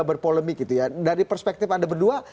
berpolemik gitu ya dari perspektif anda berdua